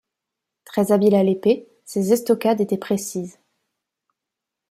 Très habile à l'épée, ses estocades étaient précises.